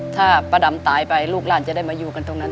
ถ้าป้าดำตายไปลูกหลานจะได้มาอยู่กันตรงนั้น